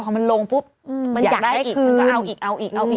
พอมันลงปุ๊บอยากได้อีกจะเอาอีกอย่างนี้